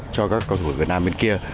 cho các cầu thủ việt nam bên kia